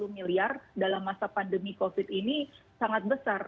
lima ratus enam puluh miliar dalam masa pandemi covid ini sangat besar